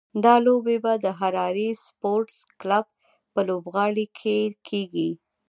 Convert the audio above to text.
دا لوبې به د هراري سپورټس کلب په لوبغالي کې کېږي.